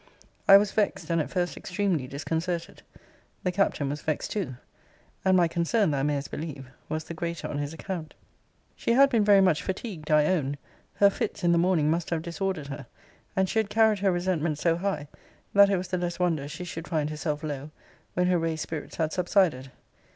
I was vexed, and at first extremely disconcerted. The Captain was vexed too. And my concern, thou mayest believe, was the greater on his account. She had been very much fatigued, I own. Her fits in the morning must have disordered her: and she had carried her resentment so high, that it was the less wonder she should find herself low, when her raised spirits had subsided.